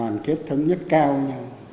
phải đoàn kết thống nhất cao với nhau